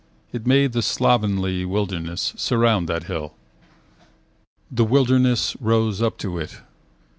It made the slovenly wilderness Surround that hill. The wilderness rose up to it.